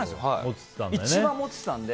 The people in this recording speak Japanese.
一番モテてたので。